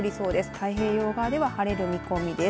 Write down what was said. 太平洋側では晴れる見込みです。